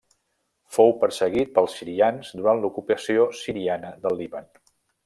Fou perseguit pels sirians durant l'ocupació siriana del Líban.